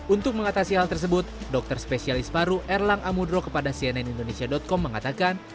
untuk mengatasi hal tersebut dokter spesialis paru erlang amudro kepada cnn indonesia com mengatakan